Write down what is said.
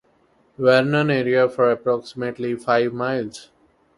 Vernon area for approximately five miles.